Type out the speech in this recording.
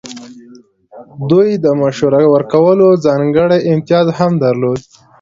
دوی د مشوره ورکولو ځانګړی امتیاز هم درلود.